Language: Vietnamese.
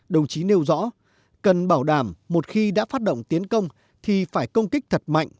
đồng chí nêu rõ cần bảo đảm một khi đã phát động tiến công thì phải công kích thật mạnh